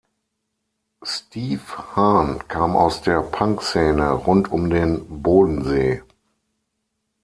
Steve Hahn kam aus der Punkszene rund um den Bodensee.